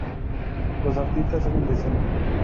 Los artistas salen de escena.